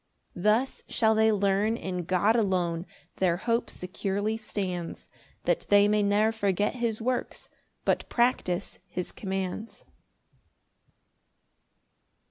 4 Thus shall they learn in God alone Their hope securely stands, That they may ne'er forget his works, But practise his commands.